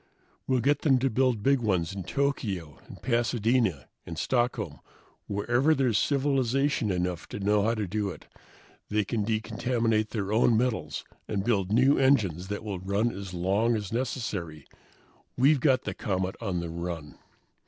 We'll get them to build big ones in Tokyo and Pasadena and Stockholm, wherever there's civilization enough to know how to do it; they can decontaminate their own metals and build new engines that will run as long as necessary. We've got the comet on the run!"